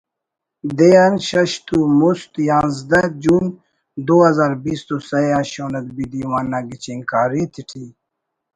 دے آن شش تُو مُست یانزدہ جون دو ہزار بیست و سہ آ شون ادبی دیوان نا گچین کاری تیٹی